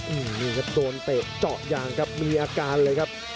อืมนี่ครับโดนเตะเจาะยางครับมีอาการเลยครับ